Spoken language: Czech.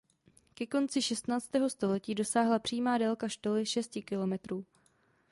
Ke konci šestnáctého století dosáhla přímá délka štoly šesti kilometrů.